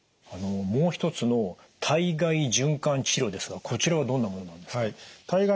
もう一つの体外循環治療ですがこちらはどんなものなんですか？